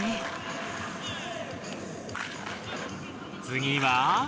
次は。